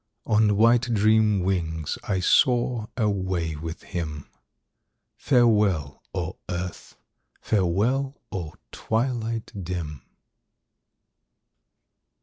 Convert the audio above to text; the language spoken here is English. On white dream wings I soar away with him, Farewell, O Earth; farewell, O twilight dim!